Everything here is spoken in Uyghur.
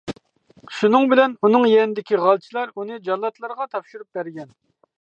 شۇنىڭ بىلەن ئۇنىڭ يېنىدىكى غالچىلار ئۇنى جاللاتلارغا تاپشۇرۇپ بەرگەن.